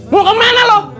mau kemana lu